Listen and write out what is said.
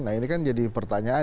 nah ini kan jadi pertanyaan